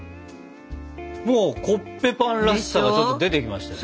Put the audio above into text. もうコッペパンらしさがちょっと出てきましたね。